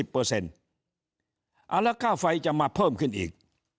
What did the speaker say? แล้วค่าไฟจะมาเพิ่มขึ้นอีก